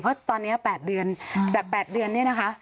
เพราะตอนนี้๘เดือนจาก๘เดือนนี้